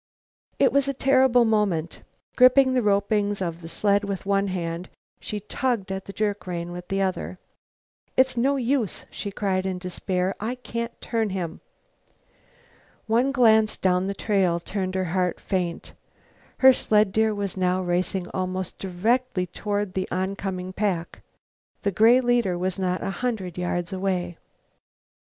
It was a terrible moment. Gripping the ropings of the sled with one hand, she tugged at the jerk rein with the other. "It's no use," she cried in despair; "I can't turn him." One glance down the trail turned her heart faint; her sled deer was now racing almost directly toward the oncoming pack, the gray leader not a hundred yards away.